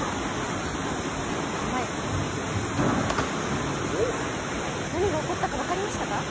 構えて何が起こったか分かりましたか？